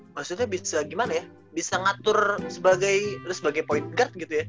maksudnya bisa gimana ya bisa ngatur sebagai point guard gitu ya